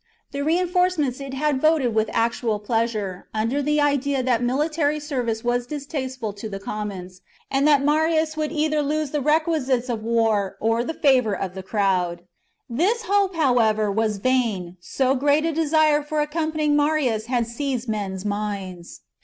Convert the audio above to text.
The rein forcements it had voted with actual pleasure, under the idea that military service was distasteful to the commons, and that Marius would lose either the re quisites of war or the favour of the crowd. This hope, however, was vain, so great a desire for accompanying Marius had seized men's minds.